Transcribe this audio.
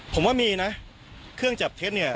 ผมว่ามีนะเครื่องจับเท็จเนี่ย